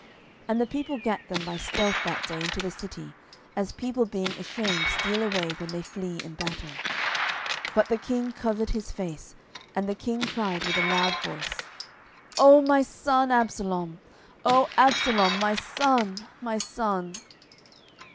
10:019:003 And the people gat them by stealth that day into the city, as people being ashamed steal away when they flee in battle. 10:019:004 But the king covered his face, and the king cried with a loud voice, O my son Absalom, O Absalom, my son, my son!